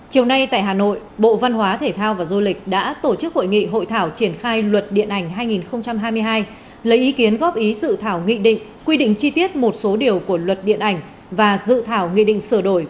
chiều nay tại hà nội bộ văn hóa thể thao và du lịch đã tổ chức hội nghị hội thảo triển khai luật điện ảnh hai nghìn hai mươi hai lấy ý kiến góp ý dự thảo nghị định quy định chi tiết một số điều của luật điện ảnh và dự thảo nghị định sửa đổi